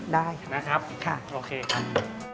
ได้นะครับค่ะโอเคครับ